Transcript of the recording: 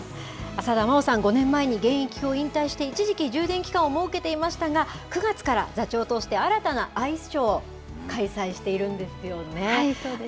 浅田真央さん、５年前に現役を引退して、一時期、充電期間を設けていましたが、９月から座長として、新たなアイスショーを開催しているんですよね。